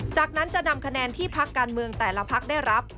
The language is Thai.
จากนั้นจะนำคะแนนที่พักการเมืองแต่ละพักได้รับ